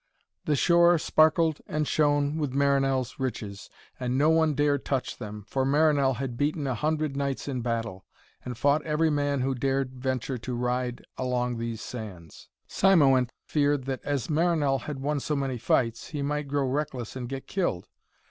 The shore sparkled and shone with Marinell's riches, and no one dared touch them, for Marinell had beaten a hundred knights in battle, and fought every man who dared venture to ride along these sands. Cymoënt feared that as Marinell had won so many fights, he might grow reckless and get killed.